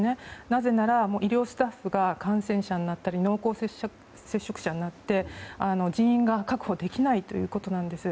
なぜなら、医療スタッフが感染者になったり濃厚接触者になって人員が確保できないということなんです。